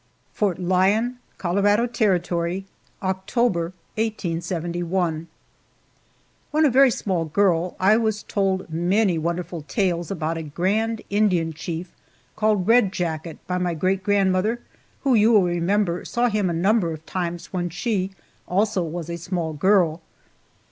FORT LYON, COLORADO TERRITORY, October, 1871. WHEN a very small girl, I was told many wonderful tales about a grand Indian chief called Red Jacket, by my great grandmother, who, you will remember, saw him a number of times when she, also, was a small girl.